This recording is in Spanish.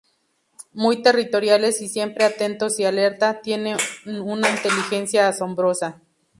Muy territoriales y siempre atentos y alerta, tienen una inteligencia asombrosa.